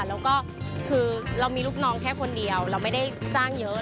แล้วก็คือเรามีลูกน้องแค่คนเดียวเราไม่ได้จ้างเยอะ